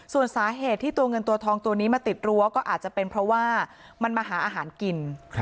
ส่วนสาเหตุที่ตัวเงินตัวทองตัวนี้มาติดรั้วก็อาจจะเป็นเพราะว่ามันมาหาอาหารกิน